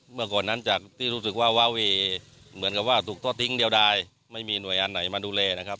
เมื่อก่อนนั้นจากที่รู้สึกว่าวาเวย์เหมือนกับว่าถูกทอดทิ้งเดียวได้ไม่มีหน่วยงานไหนมาดูแลนะครับ